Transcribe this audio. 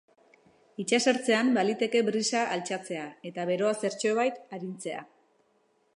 Itsasertzean, baliteke brisa altxatzea eta beroa zertxobait arintzea.